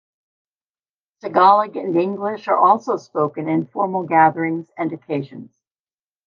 Tagalog and English are also spoken in formal gatherings and occasions.